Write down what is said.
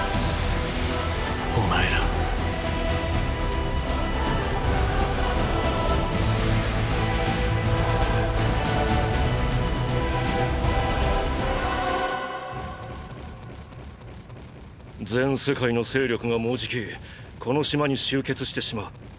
お前ら全世界の勢力がもうじきこの島に集結してしまう。